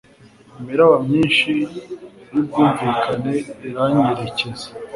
Imiraba myinshi yubwumvikane iranyerekeza